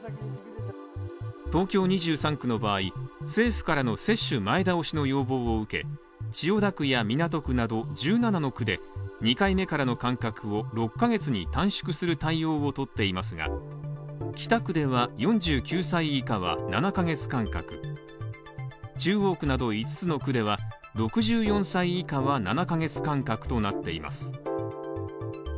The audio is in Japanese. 東京２３区の場合、政府からの接種前倒しの要望を受け、千代田区や港区など１７の区で、２回目からの間隔を６ヶ月に短縮する対応をとっていますが、北区では４９歳以下は７ヶ月間隔中央区など五つの区では、６４歳以下は７ヶ月間隔となっています。